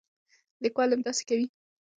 لیکوال همداسې کوي.